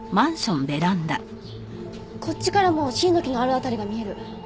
こっちからもシイの木のある辺りが見える。